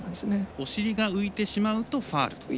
お尻が浮いてしまうとファウルと。